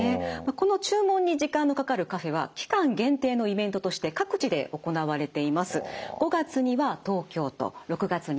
この注文に時間がかかるカフェは期間限定のイベントとして各地で行われています。